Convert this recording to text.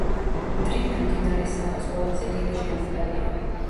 დრინა მდინარე სავას ყველაზე დიდი შენაკადია.